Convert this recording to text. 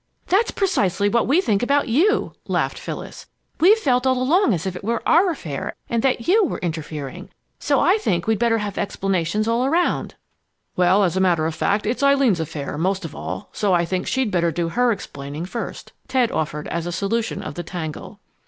"That's precisely what we think about you!" laughed Phyllis. "We've felt all along as if it were our affair and that you were interfering. So I think we'd better have explanations all around!" "Well, as a matter of fact, it's Eileen's affair, most of all, so I think she'd better do her explaining first," Ted offered as a solution of the tangle.